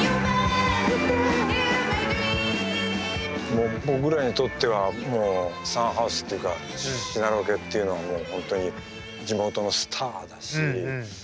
もう僕らにとってはもうサンハウスっていうかシナロケっていうのはもう本当に地元のスターだし。